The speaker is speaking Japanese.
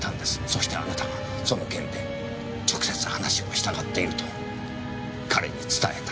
そしてあなたがその件で直接話をしたがっていると彼に伝えた。